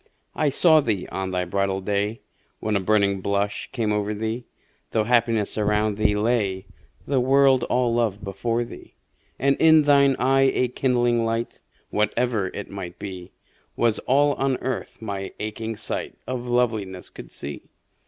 I saw thee on thy bridal day When a burning blush came o'er thee, Though happiness around thee lay, The world all love before thee: And in thine eye a kindling light (Whatever it might be) Was all on Earth my aching sight Of Loveliness could see.